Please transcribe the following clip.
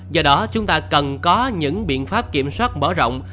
do đó chúng ta cần có những biện pháp kiểm soát mở rộng